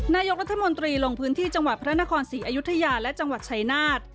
นายกรัฐมนตรีลงพื้นที่จังหวัดพระนครศรีอยุธยาและจังหวัดชายนาฏ